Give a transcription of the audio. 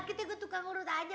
kita ke tukang urut aja babe